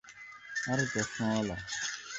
আরে, চসমাওলা!